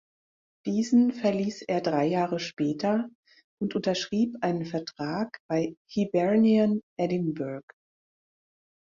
Diesen verließ er drei Jahre später und unterschrieb einen Vertrag bei Hibernian Edinburgh.